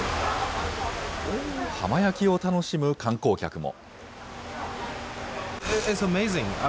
浜焼きを楽しむ観光客も。